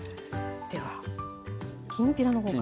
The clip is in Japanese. ではきんぴらの方から。